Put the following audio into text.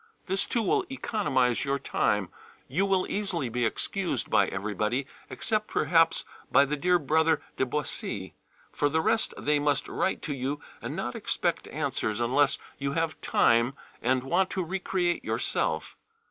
This too will economize your time. You will easily be excused by everybody, except perhaps by the dear brother de Boisy[B], for the rest they must write to you and not expect answers unless you have time and want to recreate yourself.